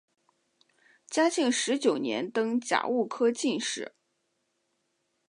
嘉庆十九年登甲戌科进士。